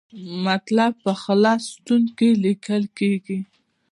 مطلب په خلص ستون کې لیکل کیږي.